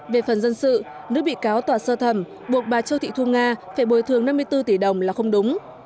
về phần dân sự nước bị cáo tòa sơ thẩm buộc bà châu thị thu nga phải bồi thường năm mươi bốn tỷ đồng là không đúng